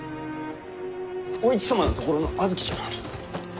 お市様のところの阿月じゃな。